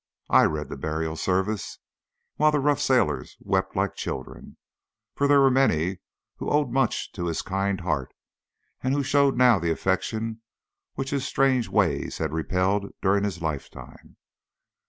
I read the burial service, while the rough sailors wept like children, for there were many who owed much to his kind heart, and who showed now the affection which his strange ways had repelled during his lifetime.